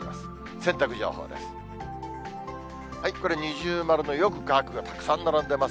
洗濯情報です。